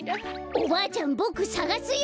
おばあちゃんボクさがすよ。